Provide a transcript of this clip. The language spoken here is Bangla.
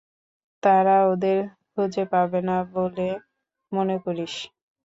তারা ওদের খুঁজে পাবে না বলে মনে করিস?